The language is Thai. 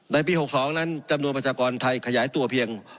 ในปี๖๒นั้นจำนวนประชากรไทยขยายตัวเพียง